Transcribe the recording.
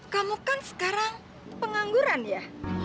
kamu kan sekarang pengangguran ya